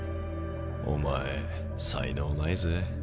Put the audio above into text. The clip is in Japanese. お前才能ないぜ。